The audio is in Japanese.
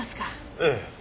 ええ。